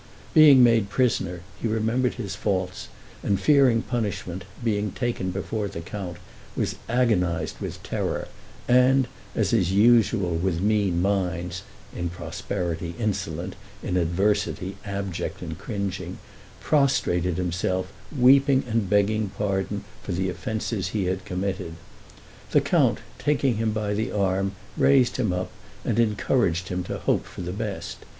Being made prisoner, he remembered his faults, and fearing punishment, being taken before the count, was agonized with terror; and, as is usual with mean minds (in prosperity insolent, in adversity abject and cringing), prostrated himself, weeping and begging pardon for the offenses he had committed. The count, taking him by the arm, raised him up, and encouraged him to hope for the best.